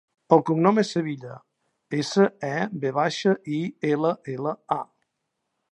El cognom és Sevilla: essa, e, ve baixa, i, ela, ela, a.